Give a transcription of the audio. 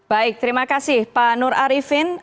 baik terima kasih pak nur arifin